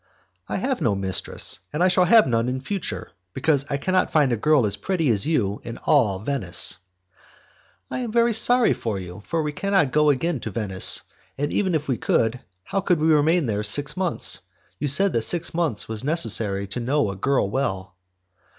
"I have no mistress, and I shall have none in future, because I could not find a girl as pretty as you in all Venice." "I am very sorry for you, for we cannot go again to Venice; and even if we could, how could we remain there six months? You said that six months were necessary to know a girl well."